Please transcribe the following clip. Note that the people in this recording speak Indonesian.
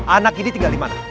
anak ini tinggal dimana